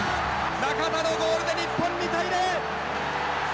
中田のゴールで日本、２対０。